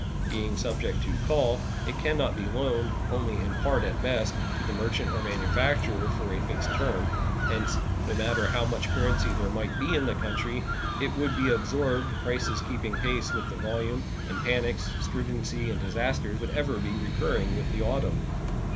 Being subject to "call," it can not be loaned, only in part at best, to the merchant or manufacturer for a fixed term. Hence, no matter how much currency there might be in the country, it would be absorbed, prices keeping pace with the volume, and panics, stringency, and disasters would ever be recurring with the autumn.